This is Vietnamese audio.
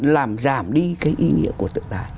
làm giảm đi cái ý nghĩa của tượng đài